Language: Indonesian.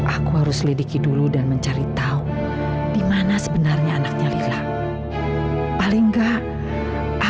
aku harus lidiki dulu dan mencari tahu di mana sebenarnya anaknya hilang